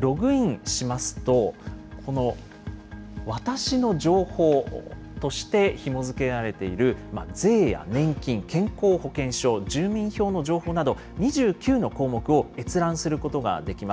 ログインしますと、このわたしの情報としてひも付けられている税や年金、健康保険証、住民票の情報など、２９の項目を閲覧することができます。